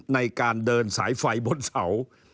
ในการเดินสายไฟบนเสา